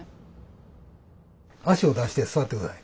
足を出して座って下さい。